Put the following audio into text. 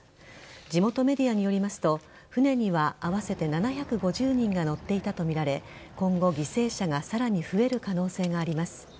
地元メディアによりますと船には合わせて７５０人が乗っていたとみられ今後、犠牲者がさらに増える可能性があります。